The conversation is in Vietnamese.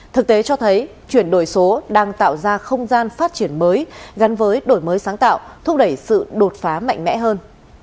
thực tế cho thấy chuyển đổi số đang tạo ra không gian phát triển mới gắn với đổi mới sáng tạo thúc đẩy sự đột phá mạnh mẽ hơn